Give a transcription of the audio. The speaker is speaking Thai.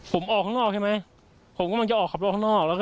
ผมออกข้างนอกใช่ไหมผมกำลังจะออกขับรถข้างนอกแล้วก็